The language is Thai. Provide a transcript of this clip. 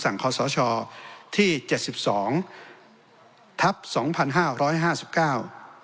คอสชที่เจ็ดสิบสองทับสองพันห้าร้อยห้าสิบเก้า